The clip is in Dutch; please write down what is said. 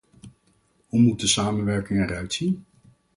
Hoe moet de samenwerking eruit zien?